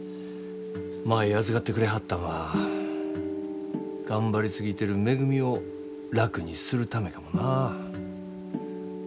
舞預かってくれはったんは頑張り過ぎてるめぐみを楽にするためかもな。